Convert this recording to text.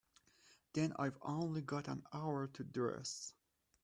Then I've only got an hour to dress.